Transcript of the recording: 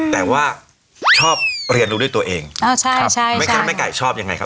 แต่ว่าชอบเรียนรู้ด้วยตัวเองไม่งั้นแม่ไก่ชอบยังไงครับ